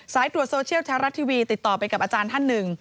ตรวจโซเชียลแท้รัฐทีวีติดต่อไปกับอาจารย์ท่านหนึ่ง